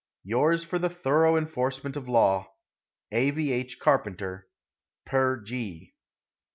Yours for the thorough enforcement of law, A. V. H. CARPENTER. Per G.